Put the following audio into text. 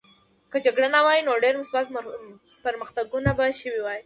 که جګړه نه وای نو ډېر مثبت پرمختګونه به شوي وای